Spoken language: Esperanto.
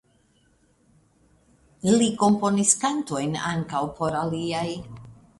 Li komponis kantojn ankaŭ por aliaj.